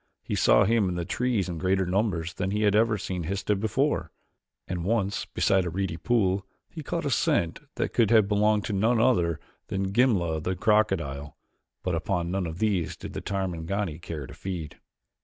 He saw him in the trees in greater numbers than he ever had seen Histah before; and once beside a reedy pool he caught a scent that could have belonged to none other than Gimla the crocodile, but upon none of these did the Tarmangani care to feed.